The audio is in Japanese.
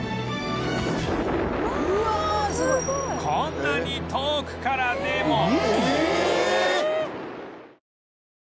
こんなに遠くからでも